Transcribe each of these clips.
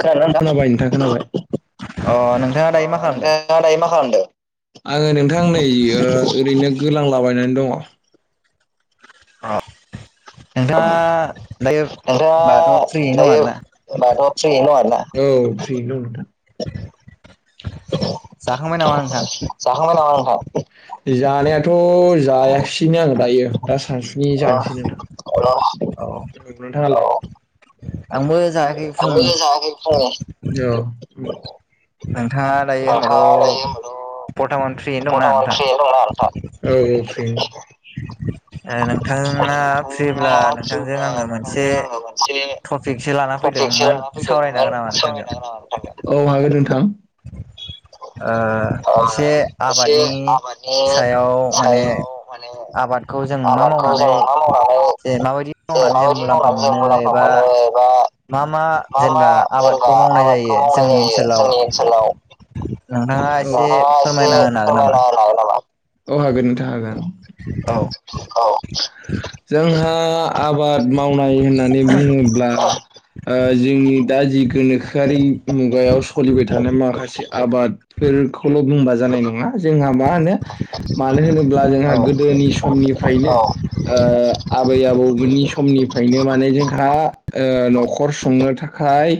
खोनाबाय ना नोंथां खोनाबाय नोंथां खोनाबाय। अ नोंथाङा दायो मा खालामदों आङो नोंथां नै ओ ओरैनो गोलांलाबायनानै दङ। अ उम नोंथाङा दायो होमबाथ' फ्रियैनो दङ आरोना? औ फ्रियैनो दं नोंथां। जाखांबाय नामा नोंथां जानायाथ' जायासैनो आं दायो दा सानसुनि जानोसै नोंथां नोंथाङालाय? आंबो जायाखै नोंथां आं दायो दंना नोंथां औै नोंथाङा फैब्ला नोंथांजों आंङो मोनसे थफिखसो लाना फैदों सावरायनो हागोन नामा नोंथां औ हागोन नोंथां। [unintelligible] ओ एसे आबादनि सायाव माने आबाद आबादखौ जों मा मावनानै जे माबायदि मावनानै जों मुलाम्फा मोनो एबा मा मा जेनेबा आबादखौ मावनाय जायो जोंनि ओनसोलाव। लाना नोंथाङा एसे फोरमायना होनो हागोन नामा औ हागोन नोंथां हागोन। जोंहा आबाद मावनाय होननानै बुङोब्ला जोंनि दा जि गोनोखोआरि मुगायाव सलिबाय थानाय माखासे आबादफोरखौल' बुंबा जानाय नङा। जोंहा मा होनो मानो होनोब्ला जोंहा गोदोनि समनिफ्रायनो अ ओ आबै आबौमोननि समनिफ्रायनो माने जोंहा ओ न'खर संनो थाखाय हाय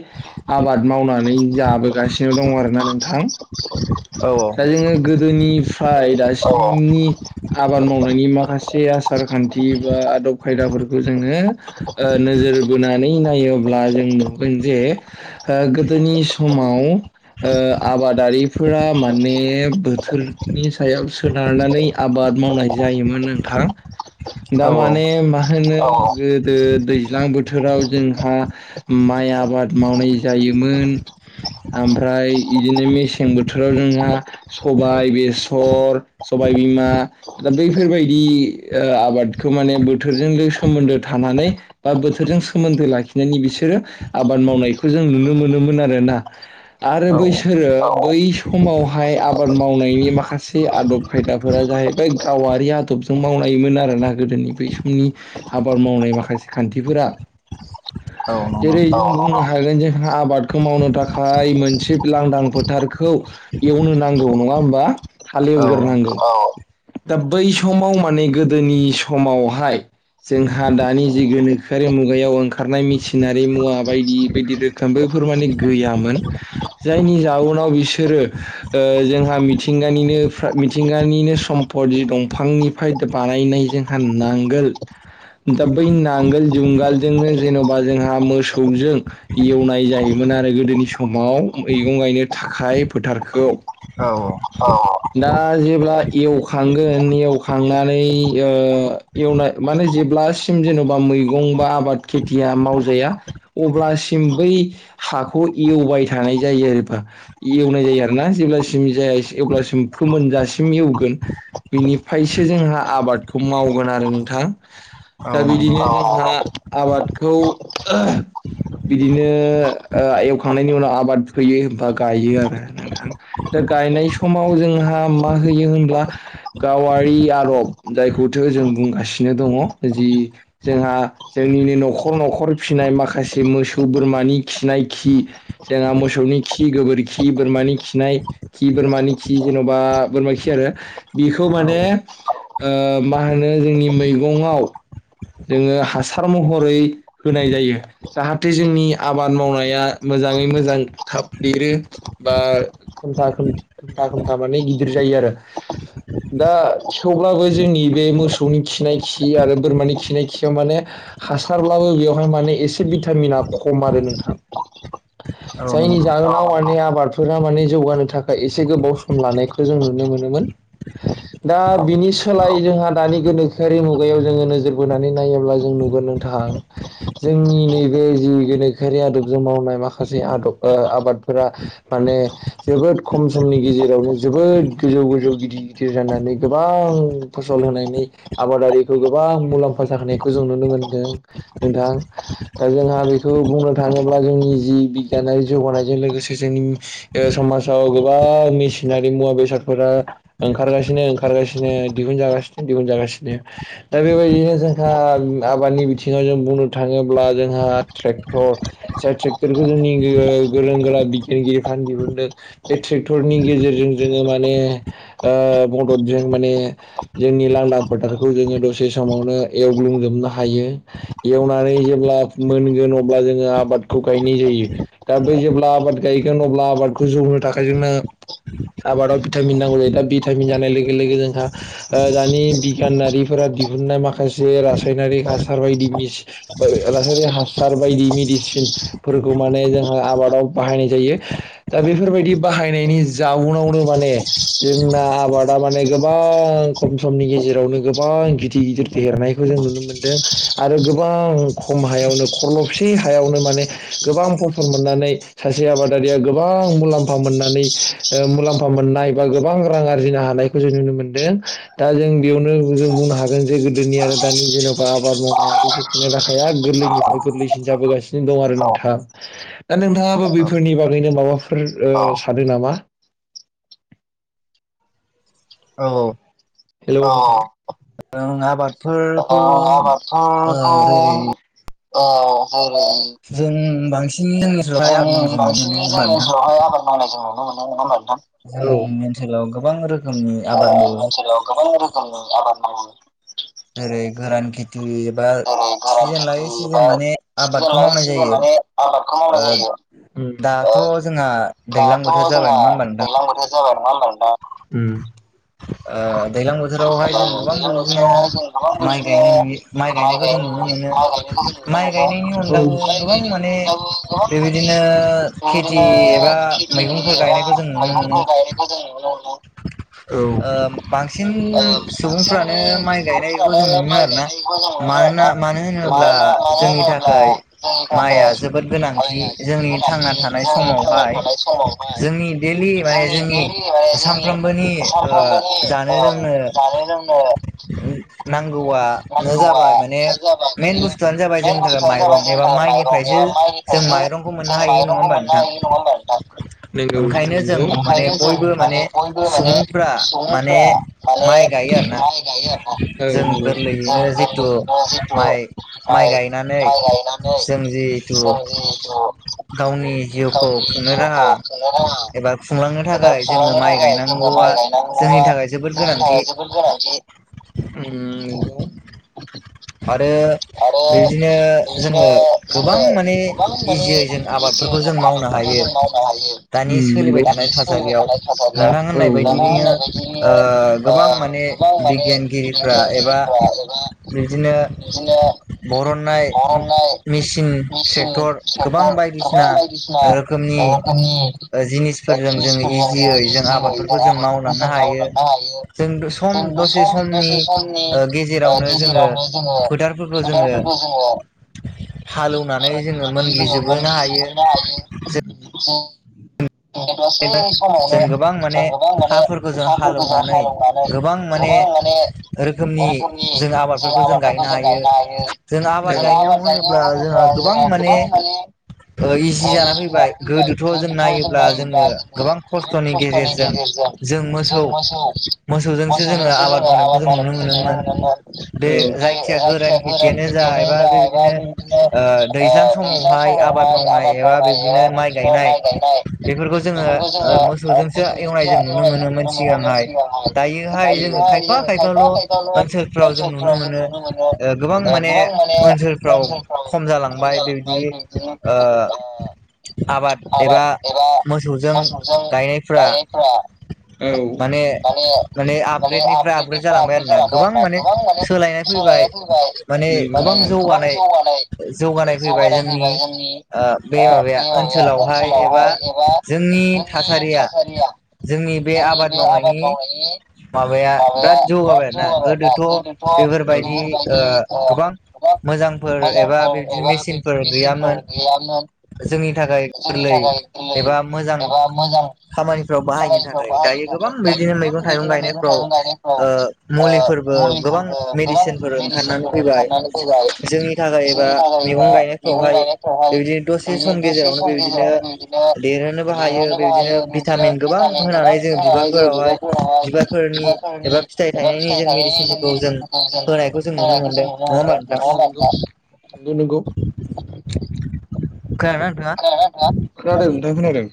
आबाद मावनानै जाबोगासिनो दं आरोना नोंथां। दा जोङो गोदोनिफ्राय दासिमनि आबाद मावनायनि माखासे से आसार खान्थि बा आदब खायदाफोरखौ जोङो नोजोर बोनानै नायो अब्ला जों नुगोन जे गोदोनि समाव ओ आबादारिफोरा माने बोथोरनि सायाव सोनारनानै आबाद मावनाय जायो। जायोमोन नोंथां दा माने मा होनो गोदो दैज्लां बोथोर बोथोराव जोंहा माइ आबाद मावनाय जायोमोन। ओमफ्राय बिदिनो मेसें बोथोराव जोंहा सबाय बेसर सबायबिमा बैफोरबायदि आबादखौ माने बोथोरजोंनो सोमोन्दो थानानै बा बोथोरजों सोमोन्दो लाखिनानै बिसोरो आबाद मावनायखौ जों नुनो मोनोमोन आरोना आरो बै बै समावहाय आबाद मावनायनि माखासे आदब खायदाफोरा जाहैबाय गावारि आदब आदबजों मावनायमोन आरोना गोदोनि बै समनि आबाद मावनाय माखासे खान्थिफोरा [unintelligible] जेरै जों बुंनो हागोन जोंहा आबादखौ मावनो थाखाय मोनसे लांदां फोथारखौ एवनो नांगौ नङा होमबा हालेवगोरनांगौ औ दा बै समाव माने गोदोनि समावहाय जोंहा दानि जि गोनोखोआरि मुगायाव ओंखारनाय मेसिनारि मुवा बायदि बायदि रोखोमबो फोर माने गैयामोन। जायनि जाउनाव बिसोरो जोंहा मिथिंगानि मिथिंगानिनो सम्फद थि दंफांनिफ्राय बानायनाय जोंहा नांगोल दा बै नांगोल जुंगालजोंनो जेन'बा जोंहा मोसौजों एवनाय जायोमोन। मोन आरो गोदोनि समाव मैगं गायनो थाखाय फोथारखौ औ दा जेब्ला एवखांगोन एवखांनानै एवनाय माने जेब्लासिम जेन'बा मैगं बा आबाद खेथिया मावजाया अब्लासिम बै हाखौ एवबाय थानाय जायो आरोबा एवनाय जायो आरोना जेब्लासिम जाया अब्लासिम फोमोनजासिम एवगोन बिनिफ्रायसो जोंहा आबादखौ मावगोन आरो नोंथां दा बिदिनो आबादखौ बिदिनो एवखांनायनि उनाव आबाद आबाद फोयो एबा गायो आरो दा गायनाय समाव जोंहा मा होयो होनब्ला गावारि आदब जायखौथो जों बुंगासिनो दङ जि जोंहा जोंनिनो न'खर न'खर फिनाय माखासे मोसौ बोरमानि खिनाय खि जोंहा मोसौनि खि गोबोरखि बोरमानि खिनाय खि बोरमानि खि जेन'बा बोरमा खि आरो बिखौ माने ओ मा होनो जोंनि मैगङाव जोङो हासार महरै होनाय जायो जाहाथे जोंनि आबाद मावनाया मोजां मोजाङै मोजां थाब देरो बा खोमथा खोमथा खोमथा माने गिदिर जायो आरो [inaudible] दा थेवब्लाबो जोंनि बे मोसौनि खिनाय खि आरो बोरमानि खिनाय खियाव माने हासारब्लाबो बेवहाय माने एसे भिटामिना खम आरो नोंथां। जायनि जाहोनाव माने आबाद फोरा माने जौगानो थाखाय एसे गोबाव सम लानायखौ जों नुनो मोनोमोन। दा बिनि सोलाय जोंहा दानि गोनोखोआरि मुगायाव जोङो नोजोर बोनानै नायोब्ला जों नुगोन नोंथां जोंनि नैबे जि गोनोखोआरि आदबजों मावनाय माखासे माखासे आदब ओ आबादफोरा माने जोबोद खम समनि गेजेरावनो जोबोद गोजौ गोजौ गिदिर गिदिर जानानै गोबां फसल होनायनि आबादारिखौ गोबां मुलाम्फा जानायखौ जों नुनो मोनदों नोंथां दा जोंहा बेखौ बुंनो थाङोब्ला जोंनि जि बिगियानारि जौगानायजों लोगोसे जोंनि ओ समाजाव गोबां मेसिनारि मुवा बेसादफोरा ओंखारगासिनो ओंखारगासिनो दिहुनजागासिनो दिहुनजागासिनो दा बेबायदिनो जोंहा आबादनि बिथिङाव जों बुंनो थाङोब्ला जोंहा ट्रेकटर ट्रेक्टर गोदोनि गोरों गोरा बिगियानगिरिफोरानो दिहुनदों बे ट्रेक्टरनि गेजेरजों जोङो माने ओ मददजों माने जोंनि लांदां फोथारखौ जोङो दसे समावनो एवग्लुंजोबनो हायो एवनानै जेब्ला मोनगोन अब्ला जोङो आबादखौ गाय नायजायो दा बै जेब्ला आबाद गायगोन अब्ला आबादखौ जौनो थाखाय जोंनो आबादाव भिटामिन नांगौ जायो दा भिटामिन जानाय लोगो लोगो जोंहा दानि बिगियानारिफोरा दिहुननाय माखासे रासायनारिक हासार बायदि रासायनारिक हासार बायदि मेदिसिन फोरखौ माने जोंहा आबादाव बाहायनाय जायो दा बेफोरबायदि बाहायनायनि जाउनावनो माने जोंना आबादा माने गोबां खम समनि गेजेरावनो गोबां गिदिर गिदिर देरनायखौ जों नुनो मोन्दों आरो गोबां खम हायावनो खरलबसे हायावनो माने गोबां फसल मोननानै सासे आबादारिया गोबां मुलाम्फा मोननानै ओ मुलाम्फा मोन मोननाय बा गोबां रां आरजिनो हानायखौ जों नुनो मोनदों दा जों बेयावनो जों बुंनो हागोन जे गोदो जोंनि आरो दानि जेन'बा आबाद मावनाय खुंनाय राहाया गोरलैनिफ्राय गोरलैसिन जाबोगासिनो दं आरो नोंथाङा दा नोंथाङाबो बेफोरनि बागैनो माबाफोर फोर ओ सानदों नामा? औ हेलौ [inaudible] औ जों बांसिन जों बांसिन जोंनि ओनसोलावहाय आबाद मावनाय जों नुनो मोनो नङा होमबा नोंथां औ जोंनि ओनसोलाव गोबां रोखोमनि आबाद औ ओेरै गोरान खेथि बा सिजोन लायो सिजोन माने आबादखौ मावनाय जायो ओम दाथ' जोंहा दैलां बोथोर जाबाय नङा होमबा नोंथां ओम ओ दैलां बोथोरावहाय जों गोबां बेबादिनो माइ गायनाय नु माइ गायनायखौ जों नुनो मोनो माइ गायनायनि अनगाबो गोबां माने बेबादिनो खेथि एबा मैगंफोर गायनायखौ जों नुनो मोनो औ बांसिन सुबुंफ्रानो माइ गायनायखौ जों मोनो आरो ना मानोना मानो होन होनोब्ला जोंनि थाखाय माइआ जोबोद गोनांथि जोंनि थांना थानाय समाव बेहाय जोंनि दैलि माने जोंनि सानफ्रोमबोनि ओ जानो लोंनो नांगौआनो जाबाय माने मइन बुस्थुआनो जाबाय जोंनि थाखाय माइरं एबा माइनिफ्रायसो जों माइरंखौ मोननो हायो नङा होमबा नोंथां नोंगो नोंथां नंगौ ओंखायनो जों माने बयबो माने सुबुं फोरा माने माइ गायो आरो ना जों गोरलैनो जिथु माइ गायनानै जों जेहेतु गावनि जिउखौ खुंनो राङा एबा खुंलांनो थाखाय जोङो माइ गायनांगौआ जोंनि थाखाय जोबोद गोनांथि ओम आरो बेबायदिनो जोङो गोबां माने इजियै जों आबादफोरखौ जों मावनो हायो दानि सोलिबाय थानाय थासारियाव नोंथां होननाय बायदियैनो ओ गोबां माने बिगियानगिरिफ्रा एबा बिदिनो बिदिनो बरननाय मेचिन ट्रेक्टर गोबां बायदिसिना रोखोमनि जिनिसफोरजों जों इजिय जों आबादफोरखौ जों मावलांनो हायो सम दसे समनि गेजेरावनो [unintelligible] [unintelligible] जोङो मुलि दिहुननो हायो दसे समावनो जों गोबां माने हाफोरखौ जों हालेवनानै गोबां माने रोखोमनि जों आबाद गायनो हायो जोंहा आबाद गायनायाव जोंहा गोबां माने [unintelligible] ब्ला जोङो गोबां खस्थ'नि गेजेरजों जों मोसौ मोसौजोंसो जोङो आबाद मावनायखौ जों नुनो मोनोमोन आरो जायखिया गोरान बिदिनो जा एबा बिदिनो दैजां समावहाय आबाद मावनाय एबा बिदिनो माइ गायनाय बेफोरखौ जोङो मोसौजोंसो एवनाय ज नुनो मोनोमोन सिगांहाय दायो जोङो खायफा खायफा न' सोरफ्राव जोङो नुनो मोनो गोबां माने ओनसोलफ्राव खम जालांबायदिनो अ आबाद एबा मोसौजों गायनायफोरा माने माने आपग्रेडनिफ्राय आपग्रेड जालांबाय आरोना गोबां माने सोलायनाय फैबाय माने गोबां जौगानाय जौगानाय फैबाय जोंनि बे माबाया ओनसोलावहाय एबा जोंनि थासारिया जोंनि बे आबाद मावनायनि माबाया बिराद जौगाबाय आरोोना गोदोथ' बेफोरबायदि गोबां मोजांफोर एबा बिबदिनो मेचिनफोर गैयामोन जोंनि थाखाय गोरलै एबा मोजां खामानिफ्राव बाहायनो थाखाय दायो गोबां गद मैग थागोन [unintelligible] गोबां मेडिसिनफोर ओंखारनानै फैोबबाय जोंनि थाखायायोबा मैगं गायनायफ्रावहाय [unintelligible] लिरहोननोबो हायो बिदिनो भिटामिन गोबां होनालाय जों बिबारफोरखौहाय बिबारफोरनि एबा फिथाइ थायनायनि जों [unintelligible] [unintelligible] नौ खोनादों नोंथां खोनादों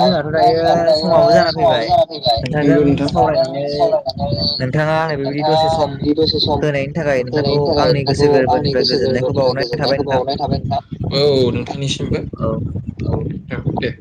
औ नोंथाङा जोंहाथ' दायो समावबो जाना फैबाय [unintelligible] [unintelligible] [unintelligible] दसे सम होनायनि थाखाय नोंथांखौ आंनि गोसो गोरबोनिफ्राय गोजोननायखौ बावनाय था औ नोंथांनिसिमबो औ नोंथां दे